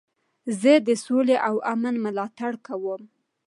زه د سولي او امن ملاتړ کوم.